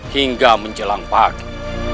hingga menjelang pagi